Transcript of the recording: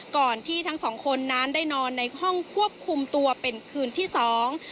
ก่อนที่ทั้งสองคนนั้นได้นอนในห้องควบคุมตัวเป็นคืนที่สอง